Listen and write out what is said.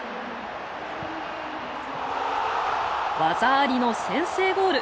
技ありの先制ゴール。